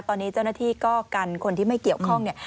ตอนนี้เจ้าหน้าที่ก็กันคนที่ไม่เกี่ยวข้องเนี่ย